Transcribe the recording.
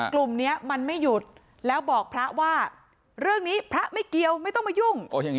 กลุ่มนี้มันไม่หยุดแล้วบอกพระว่าเรื่องนี้พระไม่เกี่ยวไม่ต้องมายุ่ง